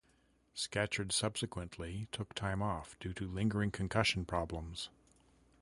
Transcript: Scatchard subsequently took time off due to lingering concussion problems.